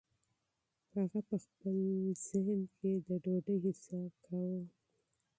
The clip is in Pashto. هغه په خپل ذهن کې د ډوډۍ حساب کاوه.